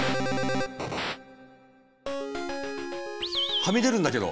はみ出るんだけど！